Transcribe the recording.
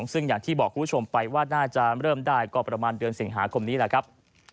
ซึ่งอย่างที่บอกคุณผู้ชมไปว่าน่าจะเริ่มได้ก็ประมาณเดือนสิงหาคมนี้แหละครับ